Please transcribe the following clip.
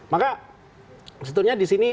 maka sebetulnya disini